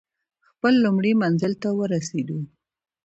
خپل لومړي منزل ته ورسېدو.